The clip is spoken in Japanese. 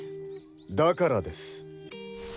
だからです。